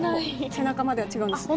背中までは違うんです。